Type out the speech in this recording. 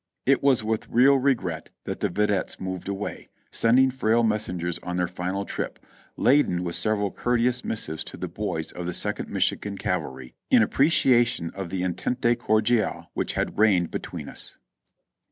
It was with real regret that the videttes moved away, sending frail messengers on their final trip, laden with several courteous missives to the boys of the Second Michigan Cavalry, in apprecia tion of the entente cordiale which had reigned between us.